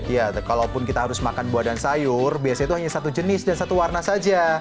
ya kalaupun kita harus makan buah dan sayur biasanya itu hanya satu jenis dan satu warna saja